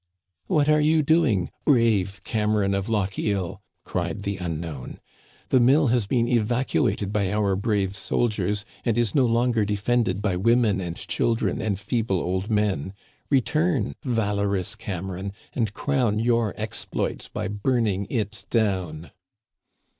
" What are you doing, brave Cameron of Lochiel ?" cried the unknown. " The mill has been evacuated by our brave soldiers, and is no longer defended by women and children and feeble old men. Return, valorous Cameron, and crown your exploits by burning it down."